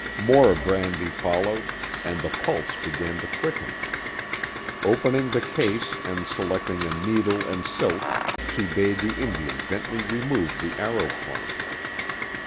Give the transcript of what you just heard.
More brandy followed, and the pulse began to quicken. Opening the case and selecting a needle and silk. she bade the Indian gently remove the arrow point.